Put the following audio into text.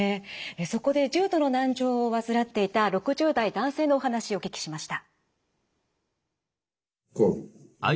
そこで重度の難聴を患っていた６０代男性のお話お聞きしました。